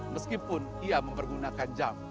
meskipun dia mempergunakan jam